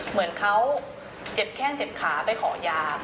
เหมือนเขาเจ็บแข้งเจ็บขาไปขอยา